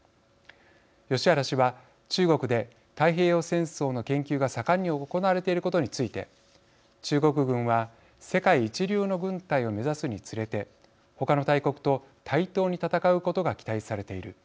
ヨシハラ氏は中国で太平洋戦争の研究が盛んに行われていることについて中国軍は世界一流の軍隊を目指すにつれて他の大国と対等に戦うことが期待されている。